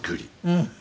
うん。